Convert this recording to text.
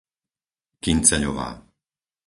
Kynceľová